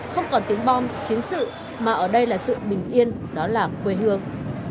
không còn tiếng bom chiến sự mà ở đây là sự bình yên đó là quê hương